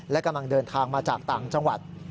และกำลังเดินทางมาจากต่างจังหวัด